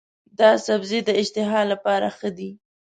دا سبزی د اشتها لپاره ښه دی.